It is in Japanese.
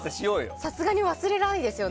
さすがに忘れないですよね。